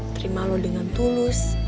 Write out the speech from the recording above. terima lo dengan tulus